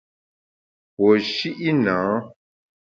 Puo shi’ nâ.